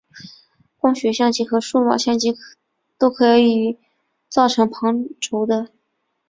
光学相机和数码相机都可以造成旁轴的。